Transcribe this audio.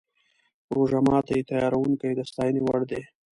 روژه ماتي تیاروونکي د ستاینې وړ دي.